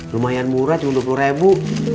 lumayan murah cuma dua puluh ribu